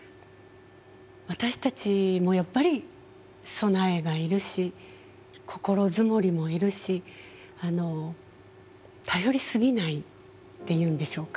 私たちもやっぱり備えが要るし心積もりも要るし頼り過ぎないっていうんでしょうか。